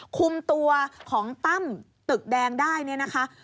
คุมตัวของตั้มตึกแดงได้เนี่ยนะคะ